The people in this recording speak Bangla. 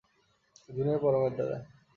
জুনিয়ার পরমের দাদা।